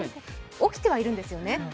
起きてはいるんですよね。